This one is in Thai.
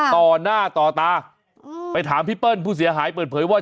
ต่อหน้าต่อตาไปถามพี่เปิ้ลผู้เสียหายเปิดเผยว่า